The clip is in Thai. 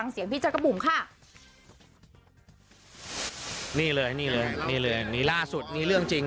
นี่ล่าสุดนี่เรื่องจริง